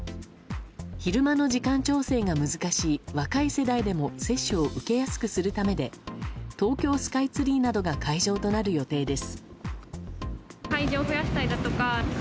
昼間の時間調整が難しい若い世代でも接種を受けやすくするためで東京スカイツリーなどが会場となる予定です。